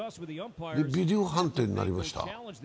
ビデオ判定になりました。